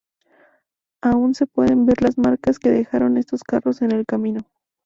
Aún se pueden ver las marcas que dejaron estos carros en el camino.